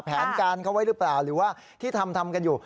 แผนการเขาไว้หรือเปล่าหรือว่าที่ทำทำกันอยู่